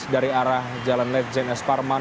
dari arah jalan ledjen s parman